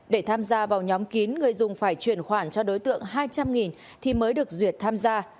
để tham gia vào nhóm kín người dùng phải chuyển khoản cho đối tượng hai trăm linh thì mới được duyệt tham gia